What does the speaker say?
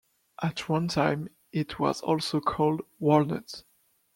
At one time it was also called Walnut.